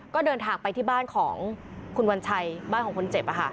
ก็เดินทางไปที่บ้านของคุณวัญชัยบ้านของคนเจ็บ